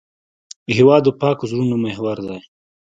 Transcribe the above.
هېواد د پاکو زړونو محور دی.